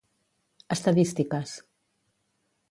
Estadístiques.